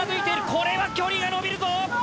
これは距離が伸びるぞ！